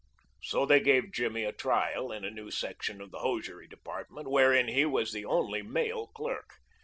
So they gave Jimmy a trial in a new section of the hosiery department, wherein he was the only male clerk.